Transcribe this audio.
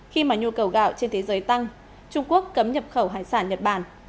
khi mà nhu cầu gạo trên thế giới tăng trung quốc cấm nhập khẩu hải sản nhật bản